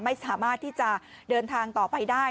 ไม่สามารถที่จะเดินทางต่อไปได้